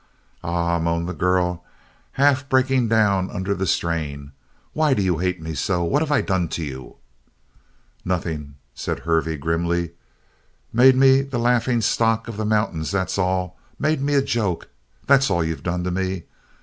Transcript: "Ah," moaned the girl, half breaking down under the strain. "Why do you hate me so? What have I done to you?" "Nothing," said Hervey grimly. "Made me the laughing stock of the mountains that's all. Made me a joke that's all you've done to me.